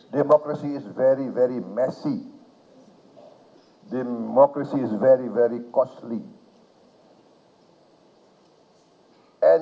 demokrasi itu sangat sangat berlebihan